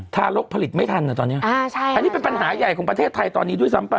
ทารกผลิตไม่ทันนะตอนนี้อันนี้เป็นปัญหาใหญ่ของประเทศไทยตอนนี้ด้วยซ้ำไป